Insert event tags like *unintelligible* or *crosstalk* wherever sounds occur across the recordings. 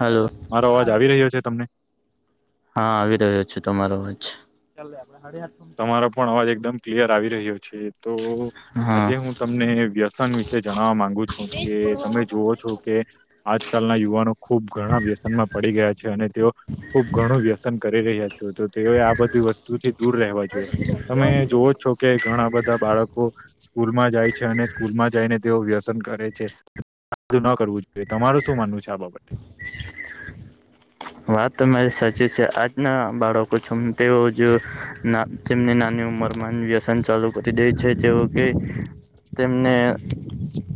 Hello! મારો અવાજ આવી રહ્યો છે તમને? હા, આવી રહ્યો છે. તમારો. તમારો પણ અવાજ એકદમ ક્લિયર આવી રહ્યો છે. તો હા આજે હું તમને વ્યસન વિશે જણવા માંગુ છું કે. તમે જોવો છો? કે આજકાલના યુવાનો ખુબ ઘણા વ્યસનમાં પડી ગયા છે અને તેઓ ખુબ ઘણું વ્યસન કરી રહ્યા છે. તેઓ આ બધી વસ્તુથી દૂર રહેવા ઇચ્છી રહ્યા છે. તમે જોવો જ છો કે ઘણા બધા બાળકો સ્કૂલમાં જાય છે, અને સ્કૂલ માં જઈને તેઓ. વ્યસન કરે છે. ન કરવું જોઈએ. તમારું શું માનવું છે આ બાબતે? *unintelligible* વાત મારી સાચી છે. આજના બાળકો છું, તે જો તેમની નાની ની ઉંમરમાં વ્યસન ચાલુ કરી દે છે, જેવું કે તેમને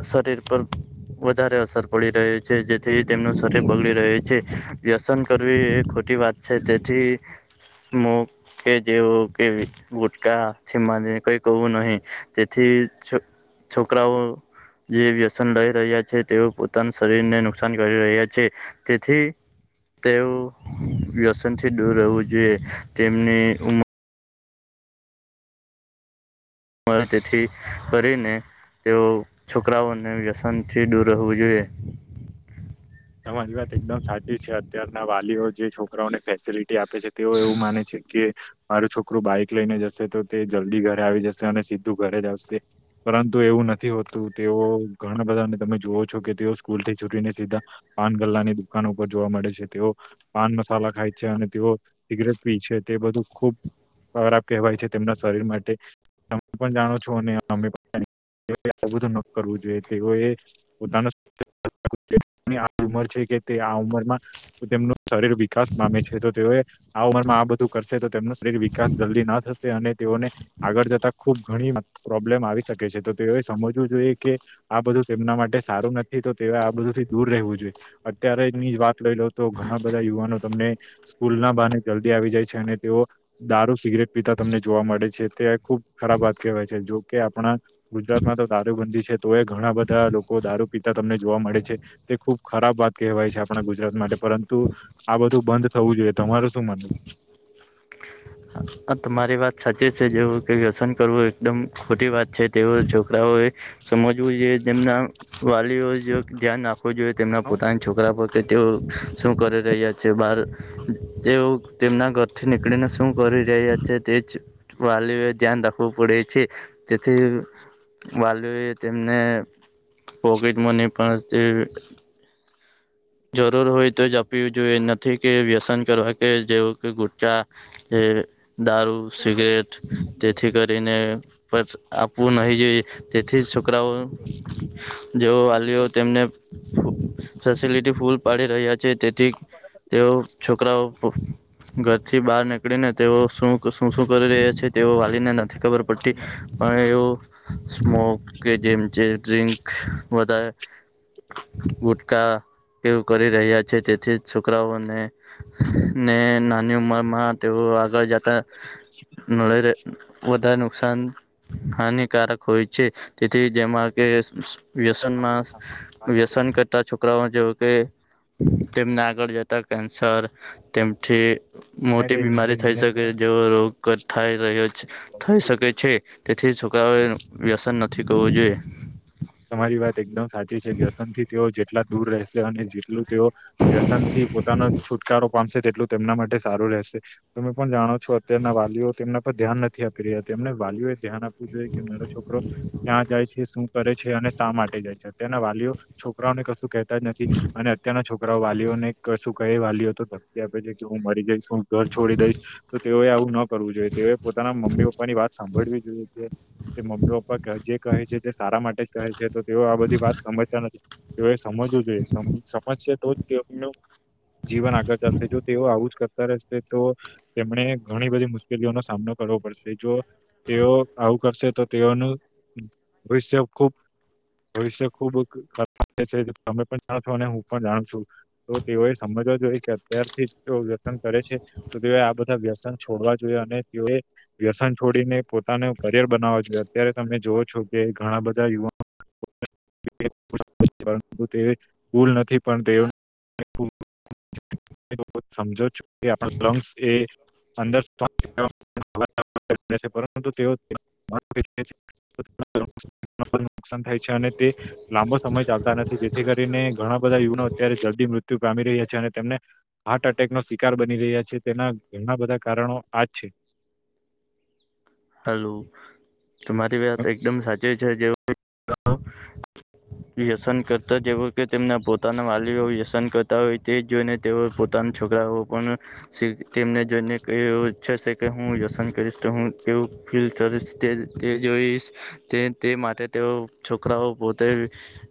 શરીર પર વધારે અસર પડી રહે છે, જેથી તેમનું શરીર બગડી રહ્યું છે. વ્યસન કરવી એ ખોટી વાત છે. તેથી મુું કે જેવ કે ગુટકા, સમા કઈ કવ નહી. તેથી છે. છોકરાઓ. જે વ્યસન લઈ રહ્યા છે, તેઓ પોતાના શરીરને નુકસાન કરી રહ્યા છે. તેથી તેઓ વ્યસન થી દૂર રહેવું જોઈએ. તેમની ઉંમર પણ તેથી કરીને. તેઓ છોકરાઓને વ્યસન થી દૂર રહેવું જોઈએ. તમારી વાત એકદમ સાચી છે. અત્યારના વાલીઓ, જે છોકરાઓને ફેસિલિટી આપ. પછી તેઓ એવું માને છે કે મારું છોકરું બાઈક લઈને જશે તો તે જલ્દી ઘરે આવી જશે અને સીધું ઘરે જ આવશે પરંતુ એવું નથી હોતું તેઓ ઘણા બધાને તમે જોવો છો કે તેઓ સ્કૂલ થી છોટીને સીધા પાન ગલ્લાની દુકાનો ઉપર જોવા મળે છે તેઓ પાન મસાલા ખાય છે અને તેઓ સિગરેટ પી છે. તે બધું ખુબ ખરાબ કહેવાય છે તેમના શરીર માટે તમે પણ જાણો છો અને મમ્મી પાપાની આવું બધું ન કરવું જોઈએ તેઓએ પોતાનું ની આ ઉમર છે કે તે આ ઉંમરમાં તેમનું શરીર વિકાસ પામે છે તો તેઓ આ ઉંમરમાં આ બધું કરશે તો તેમનું શરીર વિકાસ જલ્દી ના થશે અને તેઓને આગળ જતા ખુબ ઘણી પ્રોબ્લેમ આવી શકે છે તો તેઓએ સમજવું જોઈએ કે આ બધું તેમના માટે સારું નથી તો તે આ બધું દૂર રહેવું જોઈએ અત્યારેની જ વાત લઈ લો તો ઘણા બધા યુવાનો તમને સ્કૂલ ના બાને જલ્દી આવી જાય છે અને તેઓ દારૂ સિગરેટ પીતા તમને જોવા મળે છે તે ખુબ ખરાબ વાત કહેવાય છે. કે આપણા ગુજરાતમાં તો દારૂબંધી છે તો એ ઘણા બધા લોકો દારૂ પીતા તમને જોવા મળે છે. તે ખુબ ખરાબ વાત કહેવાય છે આપણા ગુજરાત માટે પરંતુ આ બધું બંધ થવું જોઈએ તમારું શું? *inaudible* *inaudible* આ તમારી વાત સાચી છે જેવું કે વ્યસન કરવું એકદમ ખોટી વાત છે તેઓ છોકરાઓ સમજવું જોઈએ તેમના વાલીઓ ધ્યાન રાખવું જોઈએ તેમના પોતાના છોકરા કે તેઓ શું કરી રહ્યા છે બહાર તેઓ તેમના ઘરથી નીકળીને કરી રહી અ છે તે વાલી ધ્યાન રાખવા પડે છે જેથી વાલીઓ એ તેમને પોકેટ મની પણ એ જરૂર હોય તો જ આપ જોઈએ એ નથી કે વ્યસન કરવા કે જેવું કે ગુચ્ચા. *inaudible* દારૂ સિગરેટ તેથી કરીને આપવું નહી જોઈ. તેથી છોકરાઓ જેવો વાલીઓ તેમને ફૂલ પાડી રહ્યા છે જેથી તેઓ છોકરાઓ ઘરથી બહાર નીકળીને તેઓ શું શું શું કરી રહ્યા તેઓ વાલીને નથી ખબર પડતી પણ એવો સ્મોક કે જેમ જે જિંક બધ ગુટકા એવું કરી રહ્યા છે તેથી છોકરાઓને ને નાની ઉંમર માં તેઓ આગળ જતા ને વધારે નુકસાન હાનિકારક હોય છે તેથી જેમાં કે વ્યસનમાં વ્યસન કરતા છોકરા કે તેમને આગળ જતા કેન્સર તેમથી મોટી બીમારી થઈ શકે જેવો રોગ થાય રહ્યો થઈ શકે છે તેથી છોકરાઓએ વ્યસન નથી કરવું જોઈએ. તમારી વાત એકદમ સાચી છે વ્યસન થી તેઓ જેટલા દૂર રહેશે અને જેટલું તેઓ વ્યસનથી પોતાનો છુટકારો પામશે તેટલું તેમના માટે સારું રહેશે તમે પણ જાણો છો અત્યારના વાલીઓ તેમના પર ધ્યાન નથી આપી રહ્યા તેમને વાલીઓ એ ધ્યાન આપવું જોઈએ કે મારો છોકરો જાય છે શું કરે છે શા માટે જાય છે અત્યના વાલીઓ છોરાઓને કશું કેતા જ નથી અને અત્યારના છોકરા વાલીઓને કશું કે વાલીઓ તો ધક્કી આપે છે કે હું મરી જઈશ હું ઘર છોડી દઈશ તો તેઓએ આવું કરવું જોઈએ તે પોતાના મમ્મી પપ્પાની વાત સાંભળવી જોઈએ. તે મમ્મી પપ્પા જે કહે છે તે સારા માટે *unintelligible* છે તો તેઓ આ બધી વાત સમજતા નથી તેઓએ સમજવું જોઈએ સમજશે તો જ તેમનું જીવન આગળ ચાલશે જો તેઓ આવું જ કરતા રહેશે તો તેમને ઘણી બધી મુશ્કેલીઓનો સામનો કરવો પડશે જો તેઓ આવું કરશે તો તેઓનું ભવિષ્ય *inaudible* ભવિષ્ય ખુબ *unintelligible* તમે પણ જાણો છો અને હું પણ જાણ છું તો તેઓએ સમજવા જોઈએ કે *unintelligible* કરે છે તો તે આ બધા વ્યસન છોડવા જોઈએ અને તેઓએ વ્યસન છોડીને પોતાને કરિયર બનાવો જોએ. અત્યારે તમે જોવો છો કે ઘણા બધા યુવા *inaudible* *inaudible* પરંતુ તે ભુલ નથી પણ તેઓ *inaudible* સમજો છું કે આપણા લંગ્સ એ અંદર *inaudible* *inaudible* પરંતુ તેઓ *inaudible* નુકસાન થાય છે અને તે લાંબો સમય ચાલતા નથી જેથી કરીને ઘણા બધા યુવાનો અત્યારે જલ્દી મૃત્યુ આવી રહ્યા છે અને તેમને હાર્ટ એટેકનો શિકાર બની રહ્યા છે. તેના ઘણા બધા કારણો આજ છે. હાલું તમારી વાત એકદમ સાચી છે જે *inaudible* વ્યસન કરતા જેવા કે તેમના પોતાના વાલીઓ વ્યસન કરતા હોય તે જોઈને તેઓ પોતાના છોકરાઓ પણ તેમને જોઈને ઈચ્છે છે કે હું વ્યસન કરીશ તો હુ તેવું ફિલ્ડ તે તે જોઈશ તે તે માટે તેઓ છોકરાઓ પોતે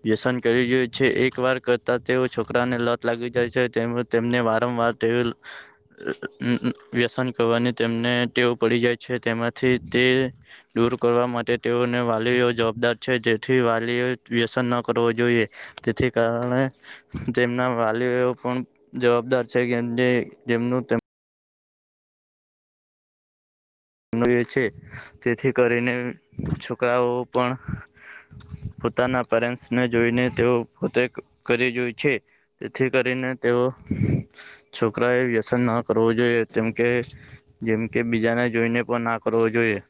વ્યસન કરી જોય છે એક વાર કરતા તેઓ છોકરાને લત લાગી જાય છે તેમજ તેમને વારંવાર તેઓ વ્યસન કરવાની તેમને તેઓ પડી જાય છે. તેમાંથી તે દૂર કરવા માટે તેઓને વાલીઓ જવાબદાર છે. તેથી વાલીઓ વ્યસન ન કરવું જોઈએ. તેથી કારણે તેમના વાલીઓ પણ જવાબ દાર છે કે જે જેમનું તેમ છે તેથી કરીને છોકરાઓ પણ પોતાના પેરેસને જોઈને તેઓ પોતે કરી જોય છે. તેથી કરીને તેઓ છોકરા એ વ્યસન ના કરવું જોઈએ. કેમ કે જેમકે બીજાને જોઈને ના કરવો જોઈએ.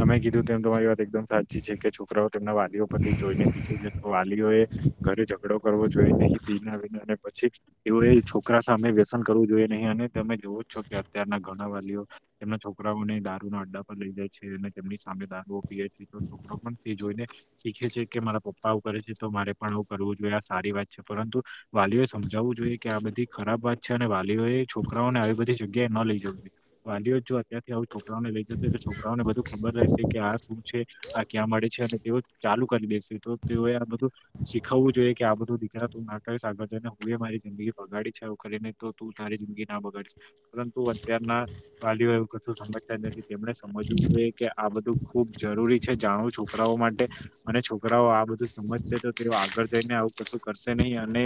તમે કીધું તેમ એમ તો મારી વાત એકદમ સાચી છે કે છોકરાઓ તેમના વાલીઓ પરથી જોઈને શીખે છે. તો વાલીઓ એ ઘરે ઝઘડો કરવો જોઈ નહીં પીને આવીને પછી એઓ એ છોકરા સામે વ્યસ કરવું જોઈએ નહીં અને તમે જોવું જ છો કે અત્યારના ઘણા વાલીઓ એના છોરાઓને દારૂના અડ્ડા પર લઈ જાય છે અને તેમની સામે દારૂઓ પીએ છે. છોકરો પણ તે જોઈને શીખે છે કે મારા પપ્પા આવું કરે છે તો મારે પણ આવું કરવું જોઈએ. આ સારી વાત છે પરંતુ વાલીઓ એ સમજ જાવું જોઈએ કે આ બધી ખરાબ વાત છે અને વા વાલીઓએ છોકરાઓને આવી બધી જગ્યાએ ન લઈ જવુ જોઈએ. વાલીઓ જો અતારથી આવુ છોકરાઓને લઈ જશે તો છોક બધું ખબર રહેશે કે આ શું છે આ ક્યાં મળે છે અને તેઓ ચાલુ કરી દેશે તો તેઓ આ બધું શીખવવું જોઈએ કે આ બધું દીકરા તું ના કરીશ આગળ જઈ ને હું એ મારી જિંદગી બગાડી છે આવુ કરીને તો તું જિંદગી ના બગાડિશ પરંતુ અત્યારના વાલીઓ એવું કશું સમજતાજ નથી તેમને સમજવું જોઈએ કે આ બધું ખુબ જરૂરી છે જાણવું છોકરાઓ માટે અને છોકરાઓ આ બધું સમજશે તો તેઓ આગળ જઈને આવું કશું કરશે ને અને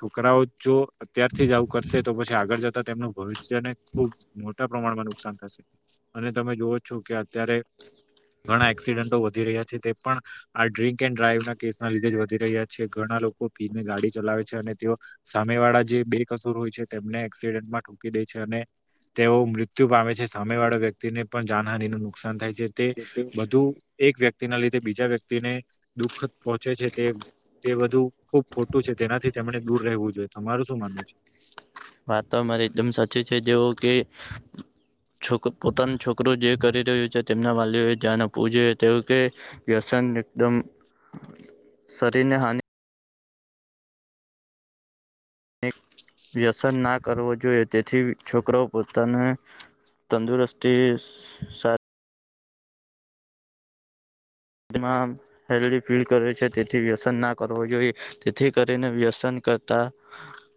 છોકરાઓ જો અત્યારથી જ આવું કરશે તો પછી આગળ જતા તેમનું ભવિષ્ય ને ખુબ મોટા પ્રમાણમાં નુકસાન થશે અને તમે જોવો છો કે અત્યારે ઘણા એક્સિડન્ટો વધી રહ્યા છે તે પણ આ ડ્રિંક એન્ડ ડ્રાઈવ ના કેસના લીધે જ વધી રહ્યા છે. ઘણ ના લોકો પીને ગાડી ચલાવે છે અને તેઓ સામે વાળા જે બે કસોર હોય છે. તેમને એક્સિડેન્ટમાં ઠોકી દે છે અને તેઓ મૃત્યુ પામે છે. સામે વાળા વ્યક્તિને પણ જાનહાની નું નુકસાન થાય છે. તે બધું એક વ્યક્ તી ના લીધે બીજા વ્યક્તિને દુઃખ પહોંચે છે તે તે બધું ખુબ ખોટું છે તેનાથી તેમણે દૂર રહેવું જોઈએ. તમારું શું માનવું છે? વાતો મારે એકદમ સાચી છે. જેવો કે છક પોતાનું છોકરું જે કરી રહ્યું છે તેમના વાલી એ ધ્યાન આપવું જોઈએ. તેવું કે વ્યસન એકદમ શરીરને હાનિ વ્યસન ના કરવો જોઈએ. તેથી છોકરાઓ પોતાને તંદુરસ્તી સા તેમાં હેલદી ફીલ કરે છે. તેથી વ્યસન ના કરવો જોઈએ તેથી કરીને વ્યસન કરતા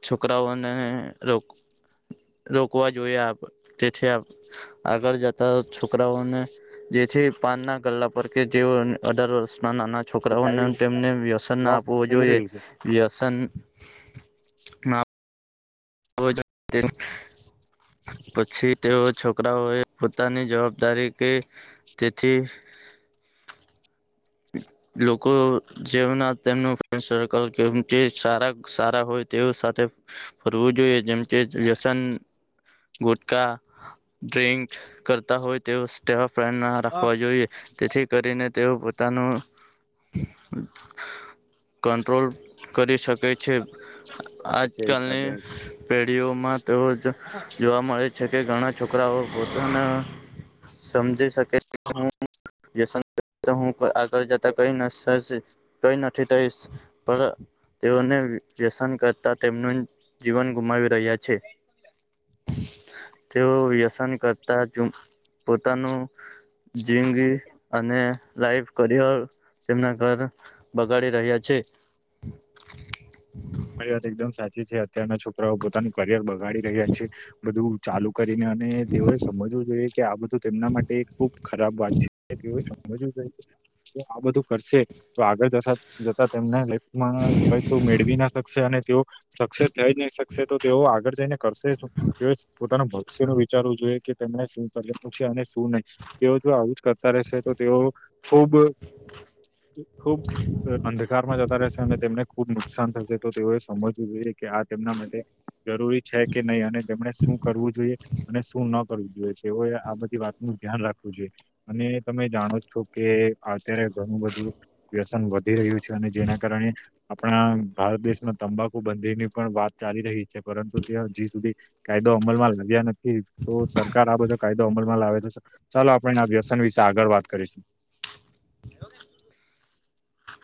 છોકરાઓને રોક રોકવા જોઈએ આપ તેથી આગળ જતા છોકરાઓને જેથી પાનના ગલ્લા પર કે જે અઢાર વર્ષ નાના છોકરાઓને તેમને વ્યસન ના આપવું જોઈએ વ્યસન ના. હવે તો તેને પછી તેઓ છોકરાઓએ પોતાની જવાબદારી કે તેથી *inaudible* લોકો જેના તેમનું સર્કલ જેમ કે સાર સારા હોય તે સાથે ફરવું જોઈએ જેમ કે વ્યસન ગુટકા ડ્રિક કરતા હોય તેવ સ્ટ, ફ્રેમદ ના રાખવા જોઈએ તેથી કરીને તેઓ પોતાનું કંટ્રોલ કરી શકે છે આજકાલની પેઢીઓમાં તો જોવા મળે છે કે ઘણા છોકરાઓ પોતાના સમજી શકે છે હું વ્યસન હું આગળ જ તા કઈ ન *unintelligible* કઈ નથી થઈશ પણ તેઓને વ્યસન કરતા તેમનું જીવન ગુમાવી રહ્યા છે તેઓ વ્યસન કરતા જ પોતાનું જિંદગી તમારી અને લાઈફ કરિયર તેમના ઘર બગાડી રહ્યા છે તારી વાત એકદમ સાચી છે અત્યના છોકરાઓ પોતાનું કરિયર બગાડી રહ્યા છે બધું ચાલુ કરીને અને તેઓએ સમજવું જોઈએ કે આ બધું તેમના માટે ખુબ ખરાબ વાત છે તેઓ સમજવું જો આ બધું કરશે તો આગળ જતા જતા તેમને લાઈફ *unintelligible* માં મેળવી ના શકશે અને તેઓ સક્સેસ થઈ જ નહી શકશે તો તેઓ આગળ જઈને કરશે શુ તેઓ પોતાના ભક્ષ્ય ન વિચારવું જોઈએ કે તેમને શું *unintelligible* છે અને શું નહીં તેઓ જો આવું જ કરતા રહેશે તો તેઓ ખુબ ખુબ અંધકારમાં જતા રહેશે અને તેમને ખુબ નુકસાન થશે તો તેઓએ સમજવું જોઈએ કે આ તેમના માટે જરૂરી છે કે નહીં અને તેમણે શું કરવું જોઈએ અને શું ન કરવું જોઈએ એવોએ આ બધી વાત નું ધ્યાન રાખવું જોઈએ અને તમે જાણો છો કે અત્યારે ઘણું બધુ વ્યસન વધી રહ્યું છે અને જેના કારણે આપણા ભારત દેશ ના તંબાકુ બંધી ની પણ વાત ચાલી રહી છે પરંતુ તેને હજી સુધી કાયદો અમલમાં લાવ્યા નથી તો સરકાર આ બધો કાયદો અમલ માં લાવે તો શા ચાલો આપણેને વ્યસન વિશે આગળ વાત કરીશું *inaudible*